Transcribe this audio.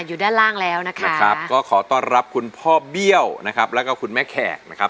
อยู่ด้านล่างแล้วนะคะขอต้อนรับคุณพ่อเบี้ยวแล้วก็คุณแม่แขก